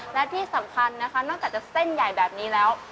และที่สำคัญนะคะนอกจากจะเส้นใหญ่แบบนี้แล้ว